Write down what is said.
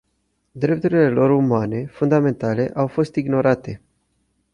Drepturile lor umane fundamentale au fost ignorate.